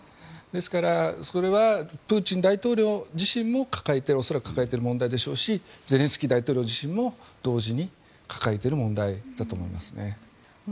ですからそれはプーチン大統領自身も恐らく抱えている問題でしょうしゼレンスキー大統領自身も同時に抱えている問題だと思いますね。